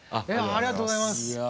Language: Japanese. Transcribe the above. ありがとうございます。